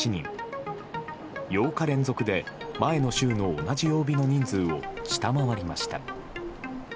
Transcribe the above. ８日連続で前の週の同じ曜日の人数を下回りました。